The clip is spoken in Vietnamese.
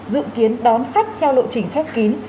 dự kiến đón khách theo lộ trình phép kín